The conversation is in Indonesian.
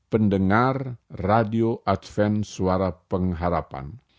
pendengar radio adven suara pengharapan